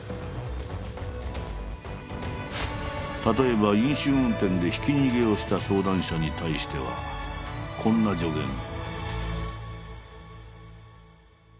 例えば飲酒運転でひき逃げをした相談者に対してはこんな助言。